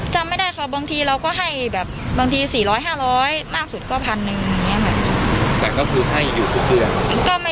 จำไม่ได้ค่ะบางทีเราก็ให้บางที๔๐๐๕๐๐บาทมากสุดก็๑๐๐๐บาท